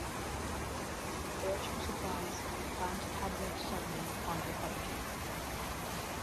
There she was advised to plant Cabernet Sauvignon on her property.